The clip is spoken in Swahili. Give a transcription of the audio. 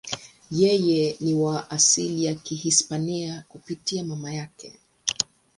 Yeye ni wa asili ya Kihispania kupitia mama yake.